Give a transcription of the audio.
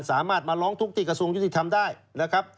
สามารถมาร้องทุกข์ที่กระทรวงยุติธรรมได้นะครับ